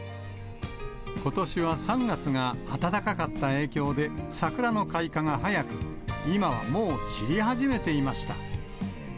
ことしは３月が暖かかった影響で、桜の開花が早く、今はもう散り始めていました。